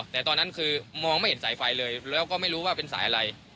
แต่ตอนนั้นคือมองไม่เห็นสายไฟเลยแล้วก็ไม่รู้ว่าเป็นสายอะไร